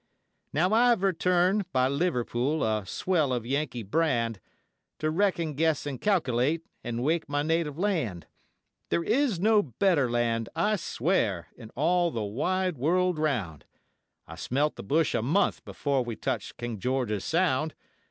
'Now I've returned, by Liverpool, a swell of Yankee brand, To reckon, guess, and kalkilate, 'n' wake my native land; There is no better land, I swear, in all the wide world round I smelt the bush a month before we touched King George's Sound!